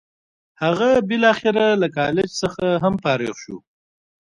هغه بالاخره له کالج څخه هم فارغ شو.